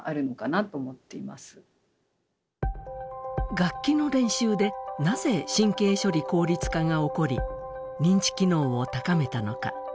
楽器の練習でなぜ神経処理効率化が起こり認知機能を高めたのか。